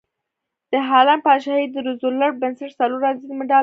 د هالنډ پادشاهي د روزولټ بنسټ څلور ازادۍ مډال ورکړ.